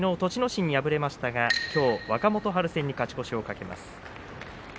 心に敗れましたがきょう、若元春戦に勝ち越しを懸けます。